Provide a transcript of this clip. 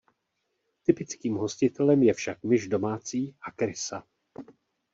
Typickým hostitelem je však myš domácí a krysa.